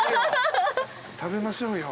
食べましょうよ。